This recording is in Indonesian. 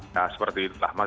nah seperti itulah